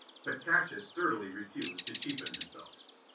But Cassius sturdily refused to cheapen himself.